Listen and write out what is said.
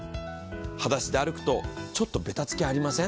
はだしで歩くと、ちょっとベタつきありません？